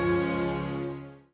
oh ya allah